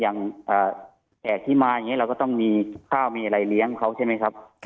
แขกที่มาอย่างนี้เราก็ต้องมีข้าวมีอะไรเลี้ยงเขาใช่ไหมครับ